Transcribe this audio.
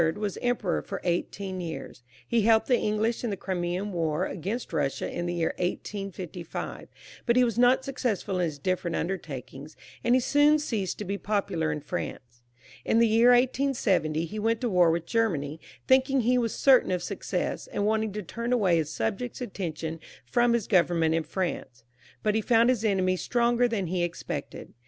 was emperor for eighteen years. He was a great friend of our Queen Victoria, and helped the English in the Crimean War against Eussia in the year 1855; but he was not successful in his different under takings, and he soon left off being popular in France. In the year 1870 he went to war with Germany, thinking he was certain of success, and wanting to turn away his sub jects' attention from his government in France; but he found his enemies stronger than he expected.